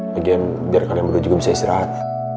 lagi ya biar kalian berdua juga bisa istirahat